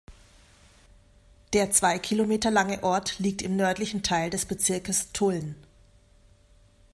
Der zwei Kilometer lange Ort liegt im nördlichen Teil des Bezirkes Tulln.